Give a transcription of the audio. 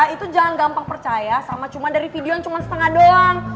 itu jangan gampang percaya sama cuma dari video yang cuma setengah doang